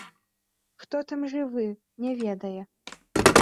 Хто там жывы, не ведае.